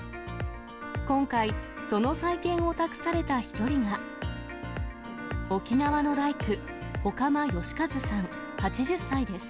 今回、その再建を託された一人が、沖縄の大工、外間義和さん８０歳です。